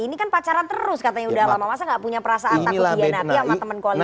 ini kan pacaran terus katanya udah lama masa gak punya perasaan takut dihianati sama teman koalisi